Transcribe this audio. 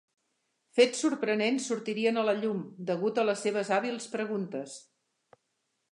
Fets sorprenents sortirien a la llum, degut a les seves hàbils preguntes.